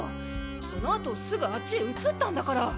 そのあとすぐあっちへ移ったんだから。